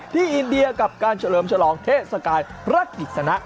ที่อินเดียกับการเฉลิมฉลองเทศกาลพลักศิษณะ